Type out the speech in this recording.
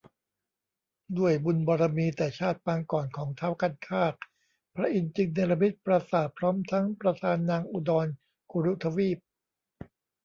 ด้วยบุญบารมีแต่ชาติปางก่อนของท้าวคันคาก พระอินทร์จึงเนรมิตปราสาทพร้อมทั้งประทานนางอุดรกุรุทวีป